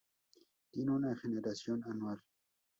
Tiene una generación anual.